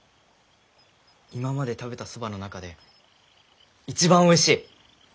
今まで食べたそばの中で一番おいしい！